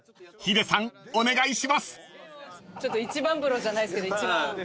ちょっと一番風呂じゃないですけど。